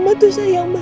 nanti kita berjalan